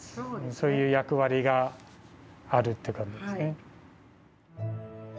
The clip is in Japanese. そういう役割があるってことですね。